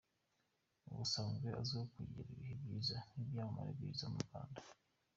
Uyu asanzwe azwiho kugirana ibihe byiza n’ibyamamare biza mu Rwanda.